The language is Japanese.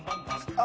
あ